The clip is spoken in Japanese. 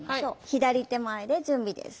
左手前で準備です。